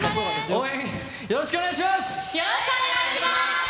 応援、よろしくお願いします。